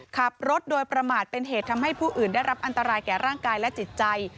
ขับรถโดยประมาทเป็นเหตุทำให้ผู้อื่นได้รับอันตรายแก่ร่างกายและจิตใจ